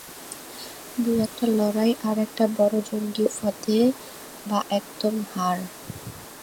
দু-একটা লড়াই আর একটা বড় জঙ্গি ফতে বা একদম হার।